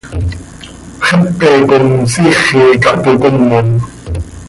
Xepe com siixi ca toc comom.